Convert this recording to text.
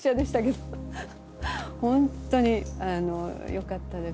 本当によかったです。